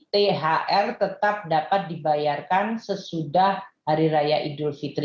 thr tetap dapat dibayarkan sesudah hari raya tersebut